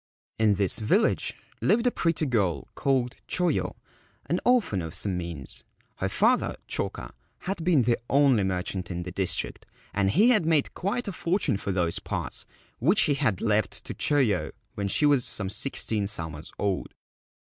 In this village lived a pretty girl called Choyo, an orphan of some means. Her father, Choka, had been the only merchant in the district, and he had made quite a fortune for those parts, which he had left to Choyo when she was some sixteen summers old.